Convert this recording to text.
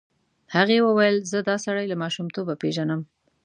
هغې وویل زه دا سړی له ماشومتوبه پېژنم.